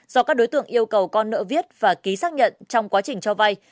do các đối tượng yêu cầu con nợ viết và ký xác nhận trong quá trình cho vay